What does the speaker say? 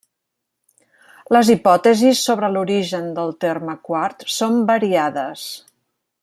Les hipòtesis sobre l'origen del terme quart són variades.